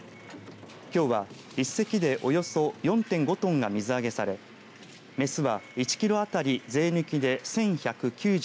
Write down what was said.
きょうは一隻でおよそ４．５トンが水揚げされ雌は１キロ当たり税抜きで１１９５円。